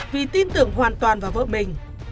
vì tin tưởng hoàn toàn vào vợ mình